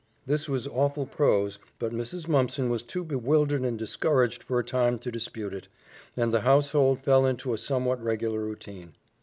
This was awful prose, but Mrs. Mumpson was too bewildered and discouraged for a time to dispute it, and the household fell into a somewhat regular routine.